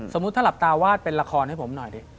ถ้าหลับตาวาดเป็นละครให้ผมหน่อยดิ